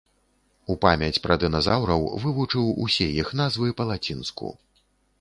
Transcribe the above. У памяць пра дыназаўраў вывучыў усе іх назвы па-лацінску.